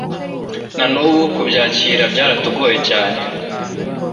nanubu kubyakira byaratugoye cyane